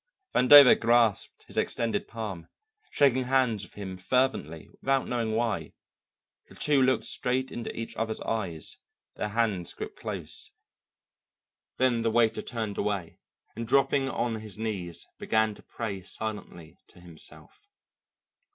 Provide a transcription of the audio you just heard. Vandover grasped his extended palm, shaking hands with him fervently, without knowing why. The two looked straight into each other's eyes, their hands gripped close; then the waiter turned away, and dropping on his knees began to pray silently to himself.